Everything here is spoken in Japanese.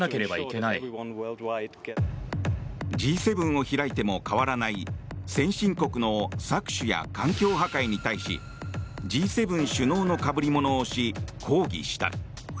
Ｇ７を開いても変わらない先進国の搾取や環境破壊に対しＧ７首脳のかぶり物をし抗議した。